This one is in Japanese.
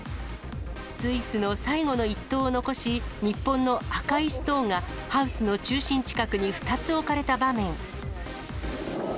スイスの最後の１投を残し、日本の赤いストーンがハウスの中心近くに２つ置かれた場面。